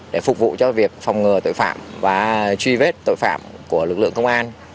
để phục vụ cho việc phòng ngừa tội phạm và truy vết tội phạm của lực lượng công an